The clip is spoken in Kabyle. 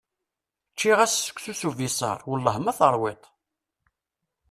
Ččiɣ-as seksu s ubisaṛ, Wellah ma teṛwiḍ-t.